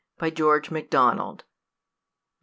BY GEORGE MACDONALD. XI.